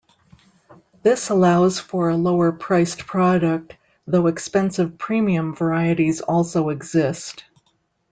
This allows for a lower priced product, though expensive "premium" varieties also exist.